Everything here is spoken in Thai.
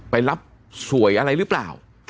ไปรับสวยอะไรหรือเปล่า